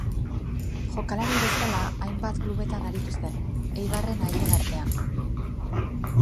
Jokalari bezala hainbat klubetan aritu zen, Eibarren haien artean.